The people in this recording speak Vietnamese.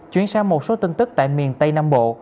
chuyển sang một số tin tức tại miền tây nam bộ